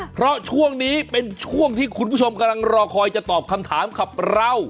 เพราะช่วงนี้เป็นช่วงที่คุณผู้ชมกำลังรอคอยจะตอบคำถามกับเรา